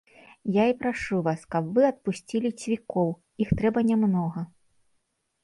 Я і прашу вас, каб вы адпусцілі цвікоў, іх трэба не многа.